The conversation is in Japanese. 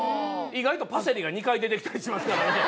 意外とパセリが２回出てきたりしてますからね。